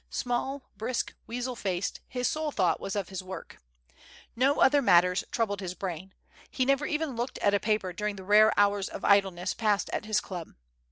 Small, brisk, weasel faced, his sole thought was of his work. No other matters troubled his brain ; he nevef even looked at a paper during the rare hours of idleness passed at his club.